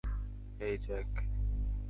হেই, Jack!